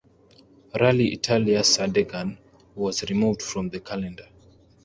Rally Italia Sardegna was removed from the calendar.